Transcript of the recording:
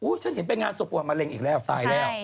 อุ๊ยฉันเห็นเป็นงานสูบปวดมะเร็งอีกแล้วตายแล้ว